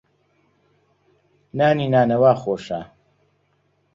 نانی نانەوا خۆشە.